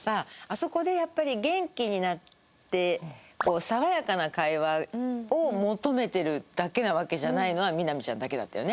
そこでやっぱり元気になって爽やかな会話を求めてるだけなわけじゃないのはみな実ちゃんだけだったよね。